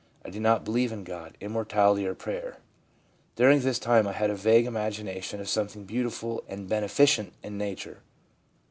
I did not believe in God, immortality or prayer. During this time I had a vague imagination of something beautiful and beneficent in nature.